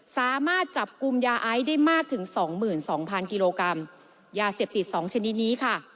สามารถจับกลุ่มยาไอ้ได้มากถึง๒๒๐๐๐กิโลกรัมยาเสพติด๒ชนิดนี้ค่ะ